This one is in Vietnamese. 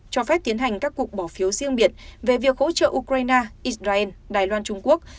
cho phép tiến hành các cuộc bỏ phiếu riêng biệt về việc hỗ trợ ukraine israel đài loan trung quốc